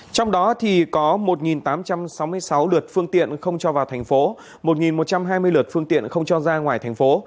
trong đó thì có một tám trăm sáu mươi sáu lượt phương tiện không cho vào thành phố một một trăm hai mươi lượt phương tiện không cho ra ngoài thành phố